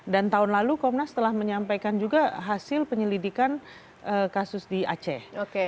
dan tahun lalu komnas telah menyampaikan juga hasil penyelidikan kasus di aceh